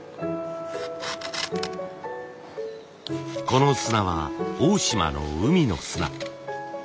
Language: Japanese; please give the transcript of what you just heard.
この砂は大島の海の砂。